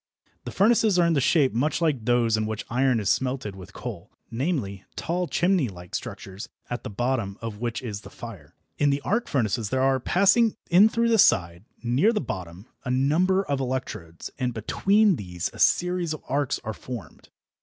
The furnaces are in shape much like those in which iron is smelted with coal namely, tall chimney like structures at the bottom of which is the fire. In the "arc furnaces" there are, passing in through the side, near the bottom, a number of electrodes, and between these a series of arcs are formed.